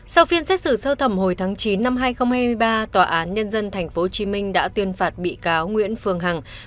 sau phiên xét xử sơ thẩm hồi tháng chín năm hai nghìn hai mươi ba tòa án nhân dân tp hcm đã tuyên phạt bị cáo nguyễn phương hằng